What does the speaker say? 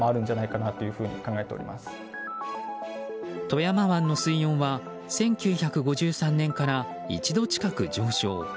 富山湾の水温は１９５３年から１度近く上昇。